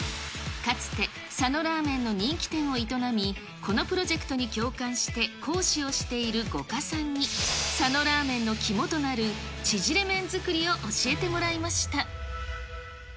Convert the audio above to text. かつて佐野らーめんの人気店を営み、このプロジェクトに共感して講師をしている五箇さんに佐野らーめんの肝となるちぢれ麺作りを教えてもらいました。